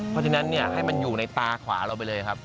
เพราะฉะนั้นให้มันอยู่ในตาขวาเราไปเลยครับ